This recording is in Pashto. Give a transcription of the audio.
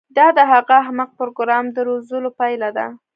دا د هغه احمق پروګرامر د روزلو پایله ده